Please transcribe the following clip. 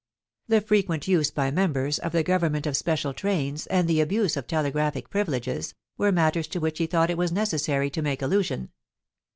The frequent use by members of the Government of special trains, and the abuse of telegraphic privileges, were matters to which he thought it necessary to make allusion.